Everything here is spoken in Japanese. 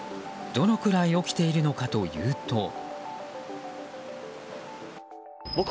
どのくらい起きているのかというと。